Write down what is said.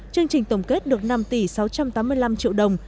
chương trình tổng kết được năm tỷ sáu trăm tám mươi năm triệu đồng